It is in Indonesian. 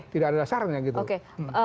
tidak ada sarannya gitu oke